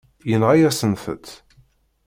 Yenɣa-yasent-tt.